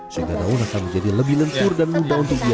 sehingga daun akan menjadi lebih lentur dan mudah untuk dibuat